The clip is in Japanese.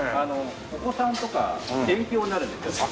お子さんとか勉強になるんですよね。